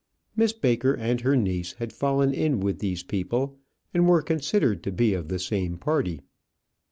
Miss Baker and her niece had fallen in with these people, and were considered to be of the same party.